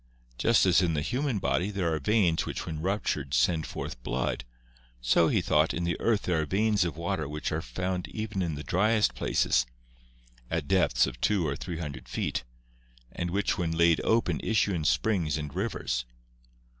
Just as in the human body there are veins which when ruptured send forth blood, so, he thought, in the earth there are veins of water which are found even in the driest places, at depths of two or three hundred feet, and which when laid open issue in springs and rivers.